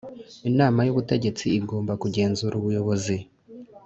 Inama y Ubutegesti igomba kugenzura ubuyobozi